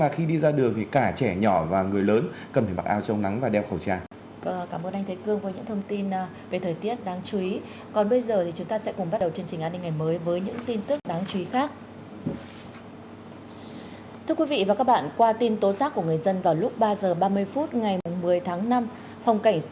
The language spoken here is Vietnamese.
xin chào các bạn